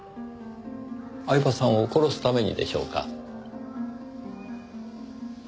饗庭さんを殺すためにでしょうか？